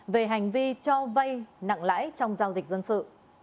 về hành vi cho vay nặng lãi trong giao dịch dân sự